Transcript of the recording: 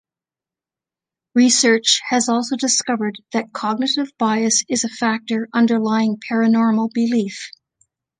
Research has also discovered that cognitive bias is a factor underlying paranormal belief.